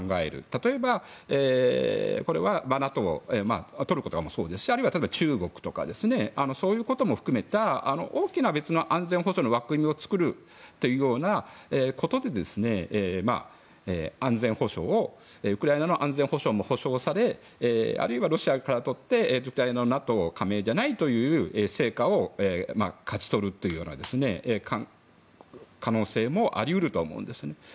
例えば、これはＮＡＴＯトルコとかもそうですしあるいは中国とかそういうことも含めた大きな別の安全保障の枠組みを作るということでウクライナの安全保障も保障されあるいはロシアにとってＮＡＴＯ加盟じゃないという成果を勝ち取るという可能性もあり得ると思うんですね。